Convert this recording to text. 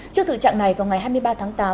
trước thực trạng này vào ngày hai mươi ba tháng tám